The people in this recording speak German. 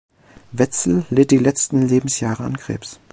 Wetzel litt die letzten Lebensjahre an Krebs.